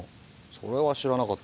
それは知らなかったなぁ。